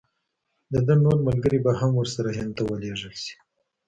د ده نور ملګري به هم ورسره هند ته ولېږل شي.